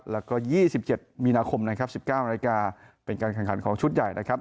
แล้วก็๒๗มีนาคม๑๙นาทีเป็นการขันขันของชุดใหญ่นะครับ